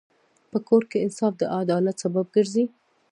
په کور کې انصاف د عدالت سبب ګرځي.